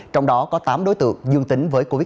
trong đó có tám đối tượng dương tính với covid một mươi